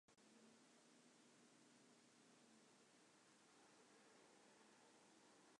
Northern birds migrate to the southern United States and Mexico.